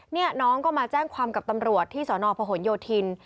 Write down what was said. นี่น้องก็มาแจ้งความกับตำรวจที่สนพหนโยธิน